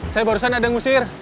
saya barusan ada ngusir